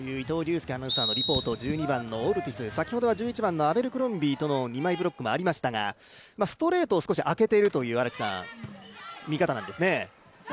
１２番のオルティス、先ほどは１１番のアベルクロンビーとの二枚ブロックもありましたがストレートを少し空けているという見方なんですね。